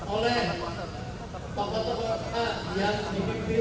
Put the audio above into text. oleh tokoh tokoh yang dipimpin